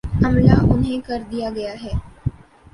عملا انہیں کر دیا گیا ہے۔